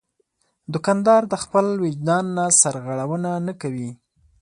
دوکاندار د خپل وجدان نه سرغړونه نه کوي.